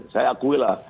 saya akui lah